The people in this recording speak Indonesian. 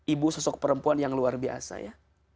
ibu sosok perempuan yang luar biasa ya